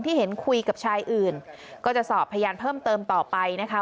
เห็นคุยกับชายอื่นก็จะสอบพยานเพิ่มเติมต่อไปนะคะ